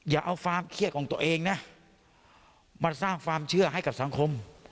อย่าเอาความเครียดของตัวเองนะมาสร้างความเชื่อให้กับสังคม